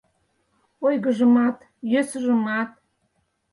Ойгыжымат, йӧсыжымат